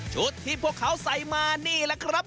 ชุดที่พวกเขาใส่มานี่ล่ะครับ